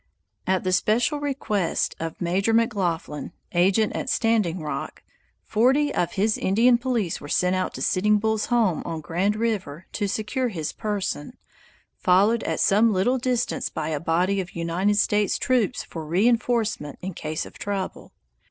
At the special request of Major McLaughlin, agent at Standing Rock, forty of his Indian police were sent out to Sitting Bull's home on Grand River to secure his person (followed at some little distance by a body of United States troops for reinforcement, in case of trouble).